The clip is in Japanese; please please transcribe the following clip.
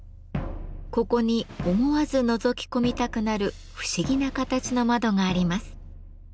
ここに思わずのぞき込みたくなる不思議な形の窓があります。